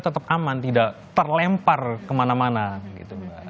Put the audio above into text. tetap aman tidak terlempar kemana mana gitu mbak